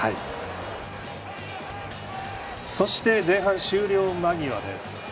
そして、前半終了間際です。